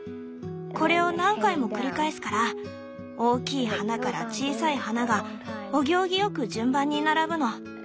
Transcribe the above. これを何回も繰り返すから大きい花から小さい花がお行儀良く順番に並ぶの。